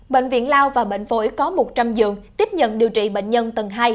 bệnh viện lao và bệnh phổi có một trăm linh giường tiếp nhận điều trị bệnh nhân tầng hai